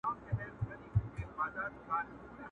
د خټین او د واورین سړک پر غاړه!٫